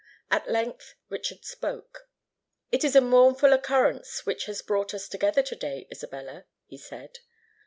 At length Richard spoke. "It is a mournful occurrence which has brought us together to day, Isabella," he said.